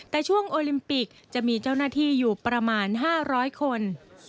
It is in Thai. แต่ช่วงโอลิมปิกจะมีเจ้าหน้าที่อยู่ประมาณ๕๐๐คน